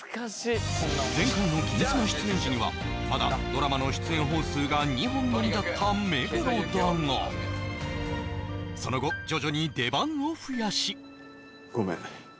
前回の「金スマ」出演時にはまだドラマの出演本数が２本のみだった目黒だがその後徐々に出番を増やしごめん